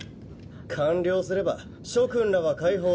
完了すれば諸君らは解放される。